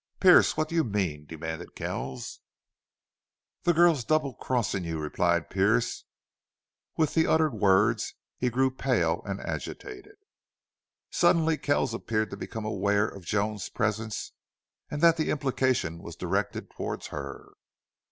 "Pearce, what do you mean?" demanded Kells. "The girl's double crossin' you," replied Pearce. With the uttered words he grew pale and agitated. Suddenly Kells appeared to become aware of Joan's presence and that the implication was directed toward her.